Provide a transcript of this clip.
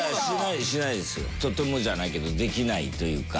とてもじゃないけどできないというか。